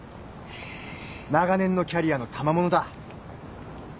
長年のキャリアのたまものだ。